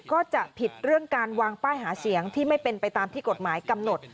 ก็จะผิดเรื่องการวางป้ายหาเสียงที่ไม่เป็นไปตามที่กฎหมายกำหนด